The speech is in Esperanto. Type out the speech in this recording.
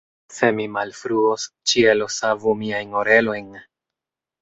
Se mi malfruos, ĉielo savu miajn orelojn!